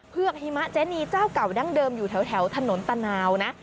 กหิมะเจนีเจ้าเก่าดั้งเดิมอยู่แถวถนนตะนาวนะ